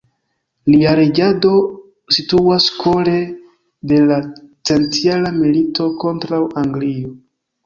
Lia reĝado situas kore de la Centjara milito kontraŭ Anglio.